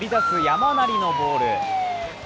山なりのボール。